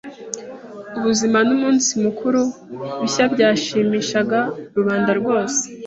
Ubuzima n'umunsi mukuru bishya byashimishaga rubanda rwose